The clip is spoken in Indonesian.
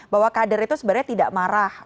bahwa kader itu sebenarnya tidak marah